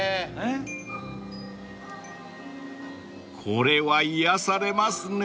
［これは癒やされますね］